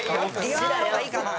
言わない方がいいかな？